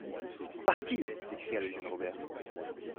Parti! s’écria le jeune Robert.